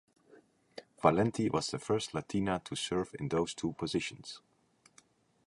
Valenti was the first Latina to serve in those two positions.